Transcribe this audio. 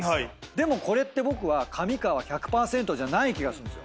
でもこれって僕は上川１００％じゃない気がするんです